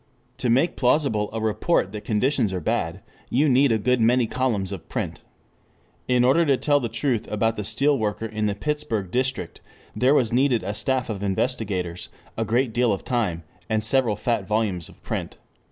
To make plausible a report that conditions are bad, you need a good many columns of print. In order to tell the truth about the steel worker in the Pittsburgh district, there was needed a staff of investigators, a great deal of time, and several fat volumes of print.